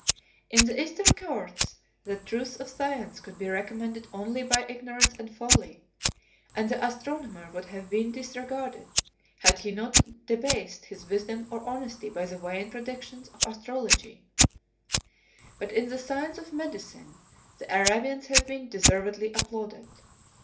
In the Eastern courts, the truths of science could be recommended only by ignorance and folly, and the astronomer would have been disregarded, had he not debased his wisdom or honesty by the vain predictions of astrology. 63 But in the science of medicine, the Arabians have been deservedly applauded.